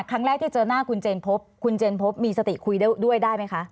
ครั้งแรกที่เจอหน้าคุณเจนพบคุณเจนพบมีสติคุยด้วยได้ไหมคะ